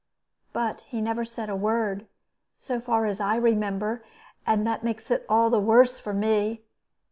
But he never said a word, so far as I remember; and that makes it all the worse for me.